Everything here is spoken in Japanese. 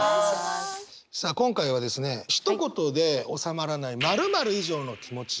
さあ今回はですねひと言で収まらない○○以上の気持ち。